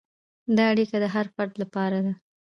دا اړیکه د هر فرد لپاره ده.